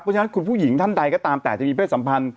เพราะฉะนั้นคุณผู้หญิงท่านใดก็ตามแต่จะมีเพศสัมพันธ์